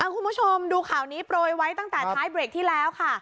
คุณผู้ชมดูข่าวนี้โปรยไว้ตั้งแต่ท้ายเบรกที่แล้วค่ะ